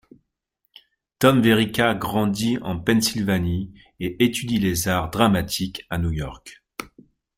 Tom Verica grandit en Pennsylvanie et étudie les arts dramatiques à New York.